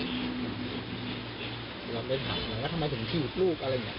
แล้วทำไมถึงทิ้งลูกอะไรอย่างนี้